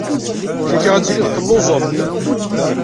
Cikkeɣ ad tilimt telluẓemt.